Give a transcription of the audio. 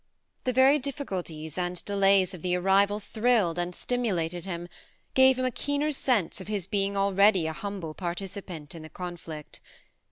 The very difficulties and delays of the arrival thrilled and stimulated him, gave him a keener sense of his being already a humble participant in the con flict.